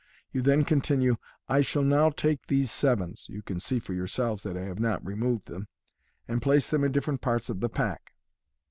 You then continue, " I shall now take these sevens (you can see for yourselves that I have not removed them), and place them in different parts of the pack.''